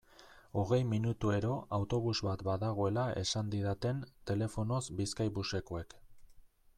Hogei minutuero autobus bat badagoela esan didaten telefonoz Bizkaibusekoek.